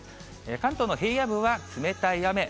関東の平野部は冷たい雨。